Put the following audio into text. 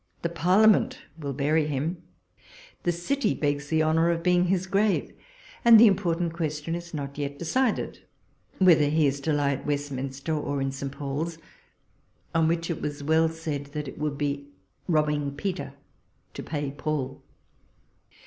The Parliament will bury him ; the City begs the honour of being his grave ; and the impor tant question is not yet decided, whether he is to lie at Westminster or in St. Paul's ; on which it was well said, that it would be " robbing Peter to pay Paul."